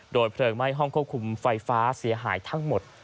โดยเพลิงไหม้ห้องควบคุมไฟฟ้าเสียหายทั้งหมด